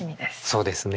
そうですね